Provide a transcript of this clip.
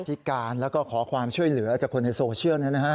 พิการแล้วก็ขอความช่วยเหลือจากคนในโซเชียลนะฮะ